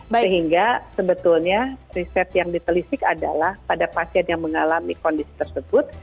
sehingga sebetulnya riset yang ditelisik adalah pada pasien yang mengalami kondisi tersebut